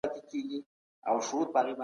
طبیعي افتونه د کوچیانو ژوند اغیزمن کړی دی.